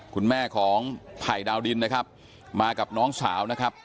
คุณแม่ของไผ่ดาวดินนะครับมากับน้องสาวนะครับ